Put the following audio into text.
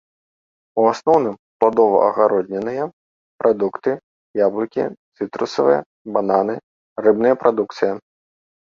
У асноўным, пладова-агароднінныя прадукты, яблыкі, цытрусавыя, бананы, рыбная прадукцыя.